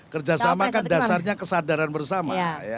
kerjasama kan dasarnya kesadaran bersama